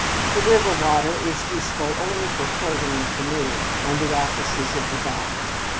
The river water is useful only for floating the canoe, and the offices of the bath.